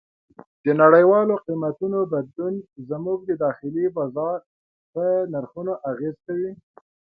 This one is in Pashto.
د نړیوالو قیمتونو بدلون زموږ د داخلي بازار په نرخونو اغېز کوي.